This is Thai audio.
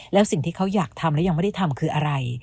แล้วสิ่งที่เขาอยากทำและยังไม่ได้ทำคืออะไร